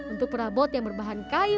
untuk perabot yang berbahan kayu